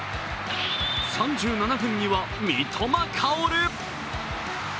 ３７分には三笘薫！